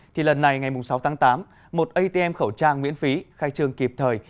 thì lần này ngày sáu tháng tám một atm khẩu trang miễn phí khai trương kịp thời